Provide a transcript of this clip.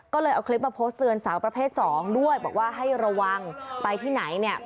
ก็เลยเอาคลิปมาโพสต์เตือนสาวประเภทสองด้วยบอกว่าให้ระวังไปที่ไหนเนี่ย